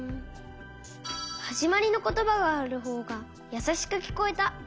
はじまりのことばがあるほうがやさしくきこえた。